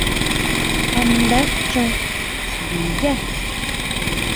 ¿A nda chon ndinyá?